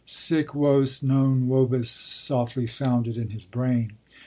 Sic vos non vobis softly sounded in his brain.